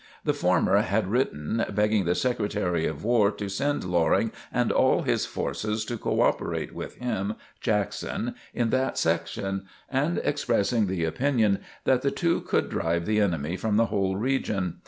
The former had written begging the Secretary of War to send Loring and all his forces to co operate with him (Jackson), in that section and expressing the opinion that the two could drive the enemy from the whole region.